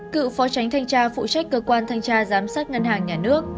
cựu phó tránh thanh tra phụ trách cơ quan thanh tra giám sát ngân hàng nhà nước